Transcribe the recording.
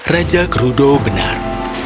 raja kurudo benar